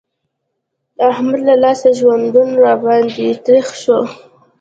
د احمد له لاسه ژوندون را باندې تريخ شو.